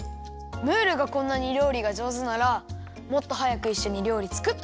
ムールがこんなにりょうりがじょうずならもっとはやくいっしょにりょうりつくっとけばよかったよ。